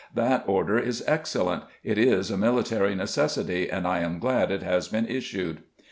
That order is excellent ; it is a military necessity, and I am glad it has been issued."